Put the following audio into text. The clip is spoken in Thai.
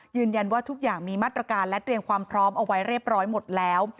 ยืนยันว่าทุกอย่างมีมาตรการและเตรียมความพร้อมเอาไว้เรียบร้อยหมดแล้ว